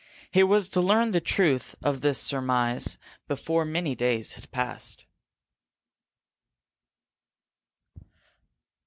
He was to learn the truth of his surmise before many days had passed.